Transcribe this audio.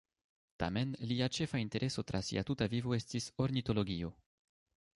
Tamen, lia ĉefa intereso tra sia tuta vivo estis ornitologio.